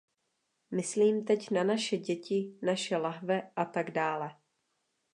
Myslím teď na naše děti, naše lahve a tak dále.